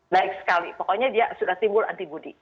baik sekali pokoknya dia sudah timbul anti budi